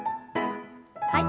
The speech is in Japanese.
はい。